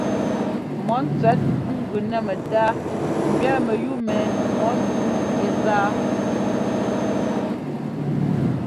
Mɔ ńtsẅɛt ŋ gʉ nɛ mɛtáa ŋgẅɛɛ mɛyúu mɛ mɔ ńzúu ɛ́ záa.